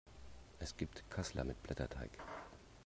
Es gibt Kassler mit Blätterteig.